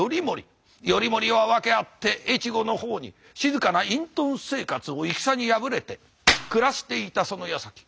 頼盛は訳あって越後の方に静かな隠とん生活を戦に敗れて暮らしていたそのやさき。